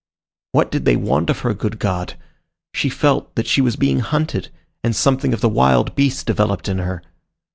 What did they want of her, good God! She felt that she was being hunted, and something of the wild beast developed in her.